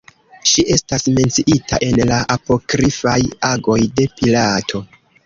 Ŝi estas menciita en la apokrifaj Agoj de Pilato.